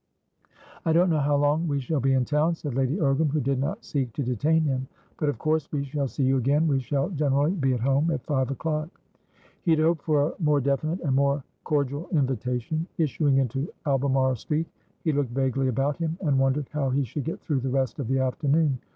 "I don't know how long we shall be in town," said Lady Ogram, who did not seek to detain him, "but of course we shall see you again. We shall generally be at home at five o'clock." He had hoped for a more definite and a more cordial invitation. Issuing into Albemarle Street, he looked vaguely about him, and wondered how he should get through the rest of the afternoon.